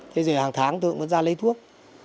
thế rồi hàng tháng tôi cũng vẫn ra lấy thuốc